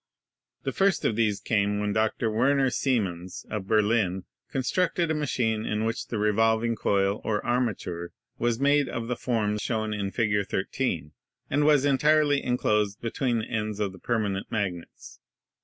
The first of these came when Dr. Werner Siemens, of Berlin, constructed a machine in which the revolving coil or armature was made of the form shown in Fig. 13, and was entirely enclosed between the ends of the per manent magnets.